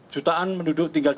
jutaan penduduk tinggal